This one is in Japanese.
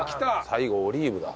最後オリーブだ。